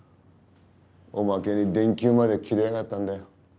おまけに電球まで切れやがったんだよ。